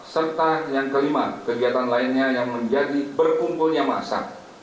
serta yang kelima kegiatan lainnya yang menjadi berkumpulnya masa